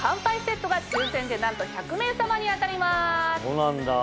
そうなんだ。